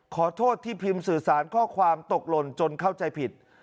ขอโทษที่พิมพ์สื่อสารข้อความตกหล่นจนเข้าใจผิด